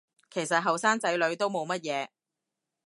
其實後生仔女都冇乜嘢